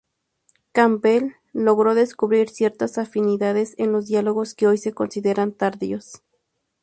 Campbell logró descubrir ciertas afinidades en los diálogos que hoy se consideran tardíos.